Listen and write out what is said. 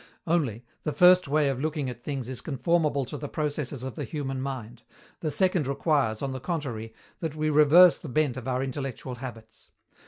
Only, the first way of looking at things is conformable to the processes of the human mind; the second requires, on the contrary, that we reverse the bent of our intellectual habits.